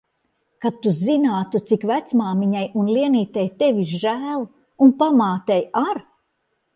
Kad tu zinātu, cik vecmāmiņai un Lienītei tevis žēl. Un pamātei ar.